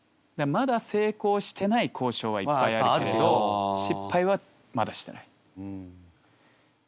まだ成功してない交渉はいっぱいあるけれど失敗はまだしてない。